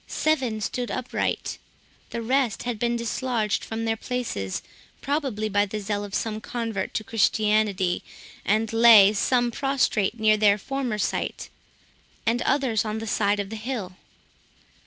Seven stood upright; the rest had been dislodged from their places, probably by the zeal of some convert to Christianity, and lay, some prostrate near their former site, and others on the side of the hill.